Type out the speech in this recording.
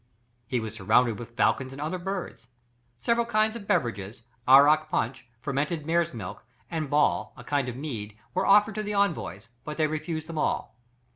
He was surrounded with falcons and other birds. Several kinds of beverages, arrack punch, fermented mare's milk, and ball, a kind of mead, were offered to the envoys; but they refused them all.